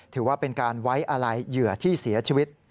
ถือว่าเป็นการไว้อาลัยเหยื่อที่เสียชีวิต